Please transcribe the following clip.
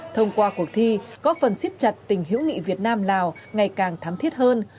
thông qua cuộc thi góp phần siết chặt tình hữu nghị việt nam lào ngày càng thám thiết hơn